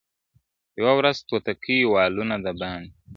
• یوه ورخ توتکۍ والوته دباندي -